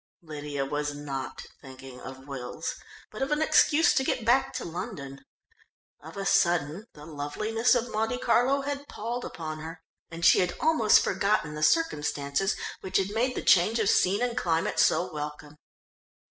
Lydia was not thinking of wills, but of an excuse to get back to London. Of a sudden the loveliness of Monte Carlo had palled upon her, and she had almost forgotten the circumstances which had made the change of scene and climate so welcome.